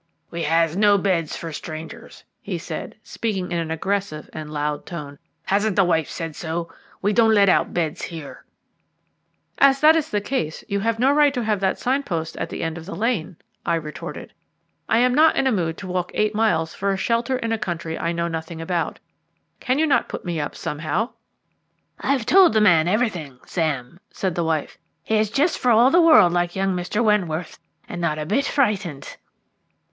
"We has no beds for strangers," he said, speaking in an aggressive and loud tone. "Hasn't the wife said so? We don't let out beds here." "As that is the case, you have no right to have that signpost at the end of the lane," I retorted. "I am not in a mood to walk eight miles for a shelter in a country I know nothing about. Cannot you put me up somehow?" "I have told the gentleman everything, Sam," said the wife. "He is just for all the world like young Mr. Wentworth, and not a bit frightened."